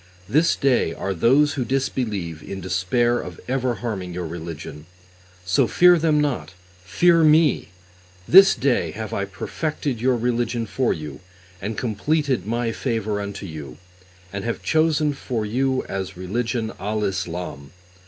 This day are those who disbelieve in despair of (ever harming) your religion; so fear them not, fear Me! This day have I perfected your religion for you and completed My favour unto you, and have chosen for you as religion al Islam.